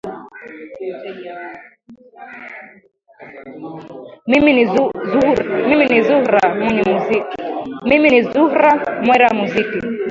mimi ni zuhra mwera muziki